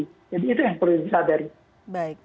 jadi itu yang perlu disadari